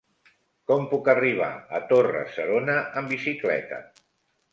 Com puc arribar a Torre-serona amb bicicleta?